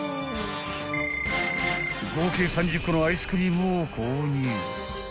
［合計３０個のアイスクリームを購入］